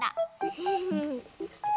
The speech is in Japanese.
フフフフ。